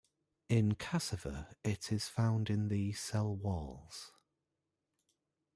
In cassava it is found in the cell walls.